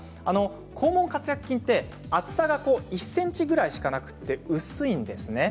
肛門括約筋は厚さが１ｃｍぐらいしかなくて薄いんですね。